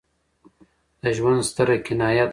د ژوند ستره کنایه دا ده.